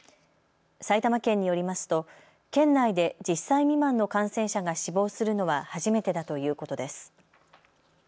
埼玉県によりますと県内で１０歳未満の感染者が死亡するのは初めてだということです。